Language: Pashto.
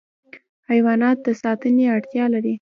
حیوانات د ساتنې اړتیا لري.